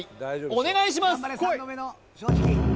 お願いします！